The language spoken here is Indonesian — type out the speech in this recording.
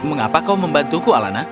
mengapa kau membantuku alana